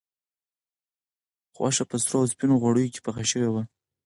غوښه په سرو او سپینو غوړیو کې پخه شوې وه.